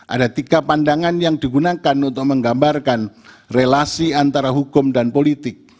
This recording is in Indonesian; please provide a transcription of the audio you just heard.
ada tiga pandangan yang digunakan untuk menggambarkan relasi antara hukum dan politik